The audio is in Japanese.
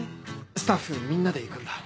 スタッフみんなで行くんだ。